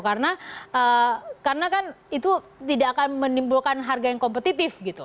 karena kan itu tidak akan menimbulkan harga yang kompetitif gitu